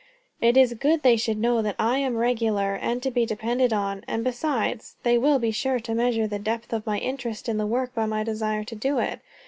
"It is good they should know that I am regular and to be depended on. And, besides, they will be sure to measure the depth of my interest in the work by my desire to do it.